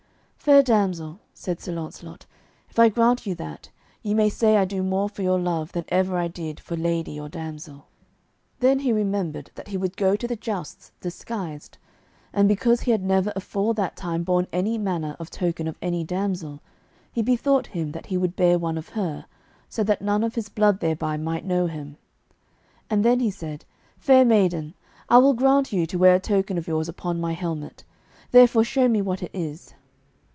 "Fair damsel," said Sir Launcelot, "if I grant you that, ye may say I do more for your love than ever I did for lady or damsel." [Illustration: Elaine] Then he remembered that he would go to the jousts disguised; and because he had never afore that time borne any manner of token of any damsel, he bethought him that he would bear one of her, so that none of his blood thereby might know him. And then he said, "Fair maiden, I will grant you to wear a token of yours upon my helmet; therefore, show me what it is."